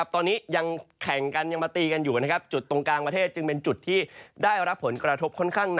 ท่องมันจะตกในช่วงนั้นค่อนข้างเยอะ